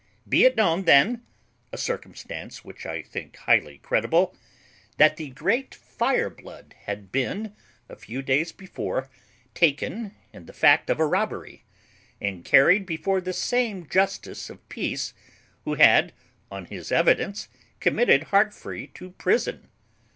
Be it known, then (a circumstance which I think highly credible), that the great Fireblood had been, a few days before, taken in the fact of a robbery, and carried before the same justice of peace who had, on his evidence, committed Heartfree to prison.